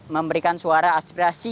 memberikan suara aspirasi